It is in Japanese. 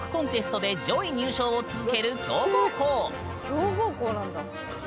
強豪校なんだ。